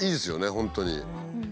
本当に。